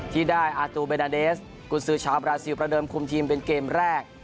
ที่ได้อาตูเบดาเดสกุญสือชาวบราซิลประเดิมคุมทีมเป็นเกมแรก